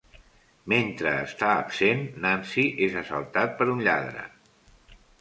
Mentre està absent, Nancy és assaltat per un lladre.